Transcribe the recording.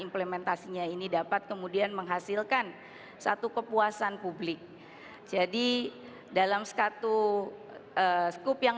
implementasinya ini dapat kemudian menghasilkan satu kepuasan publik jadi dalam satu skup yang